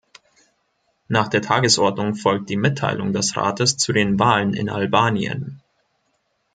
Nach der Tagesordnung folgt die Mitteilung des Rates zu den Wahlen in Albanien.